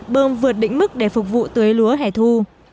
bơm vượt đỉnh mức để phục vụ tưới lúa hẻ thu